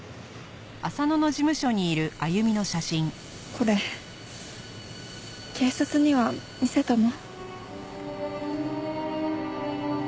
これ警察には見せたの？